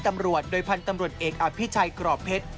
ตำรวจเอกอภิชัยกรอบเพชร